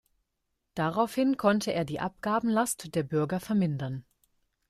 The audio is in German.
Daraufhin konnte er die Abgabenlast der Bürger vermindern.